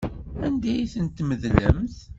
Anda ay tent-tmeḍlemt?